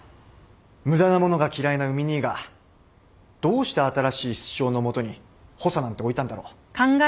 無駄なものが嫌いな海兄がどうして新しい室長のもとに補佐なんて置いたんだろう？